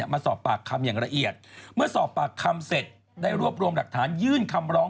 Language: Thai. มาสอบปากคำอย่างละเอียดเมื่อสอบปากคำเสร็จได้รวบรวมหลักฐานยื่นคำร้อง